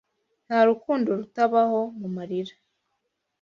Nta rukundo rutabaho mu marira